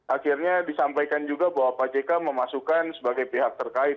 akhirnya disampaikan juga bahwa pak jk memasukkan sebagai pihak terkait